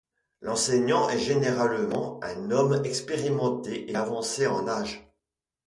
L'enseignant est généralement un homme expérimenté et avancé en âge.